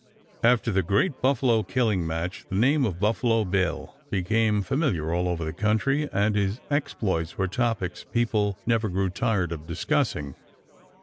After the great buffalo killing match the name of Buffalo Bill became familiar all over the country, and his exploits were topics people never grew tired of discussing.